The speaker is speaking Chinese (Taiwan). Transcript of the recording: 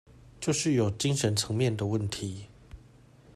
就是有精神層面的問題